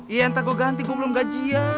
iya entah ku ganti gue belum gaji ya